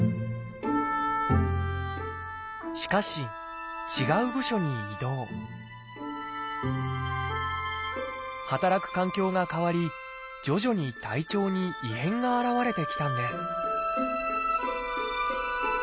しかし違う部署に異動働く環境が変わり徐々に体調に異変が現れてきたんです